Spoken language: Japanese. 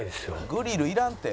「グリルいらんて。